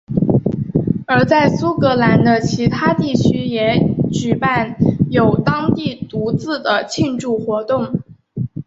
而在苏格兰的其他地区也举办有当地独自的庆祝活动。